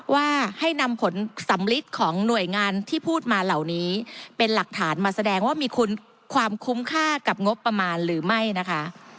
ว่าให้นำผลสำลิดของหน่วยงานที่พูดมาเหล่านี้เป็นหลักฐานมาแสดงว่ามีคุณความคุ้มค่ากับงบประมาณหรือไม่นะคะ